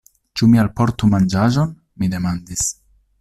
Ĉu mi alportu manĝaĵon? mi demandis.